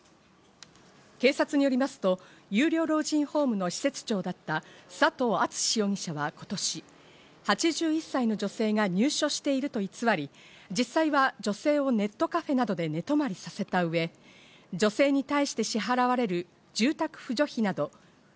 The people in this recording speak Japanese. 警察によりますと、有料老人ホームの施設長だった佐藤篤容疑者は今年、８１歳の女性が入所していると偽り、実際は女性をネットカフェなどで寝泊まりさせた上、女性に対して支払われる住宅扶助費